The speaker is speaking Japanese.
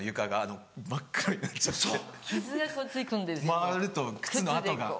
回ると靴の跡が。